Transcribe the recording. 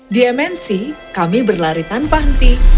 di mnc kami berlari tanpa henti